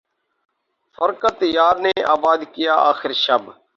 فرقت یار نے آباد کیا آخر شب